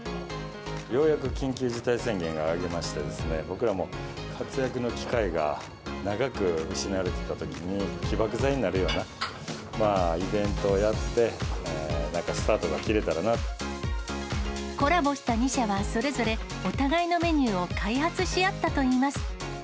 ようやく緊急事態宣言が明けまして、僕らも活躍の機会が長く失われていたときに、起爆剤になるようなイベントをやって、コラボした２社はそれぞれ、お互いのメニューを開発し合ったといいます。